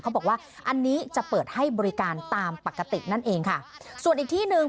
เขาบอกว่าอันนี้จะเปิดให้บริการตามปกตินั่นเองค่ะส่วนอีกที่หนึ่ง